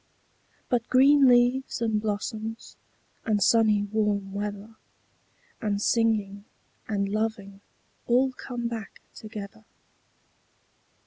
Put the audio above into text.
But green leaves, and blossoms, and sunny warm weather, 5 And singing, and loving all come back together.